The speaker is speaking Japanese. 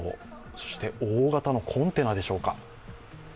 そして、大型のコンテナでしょうか。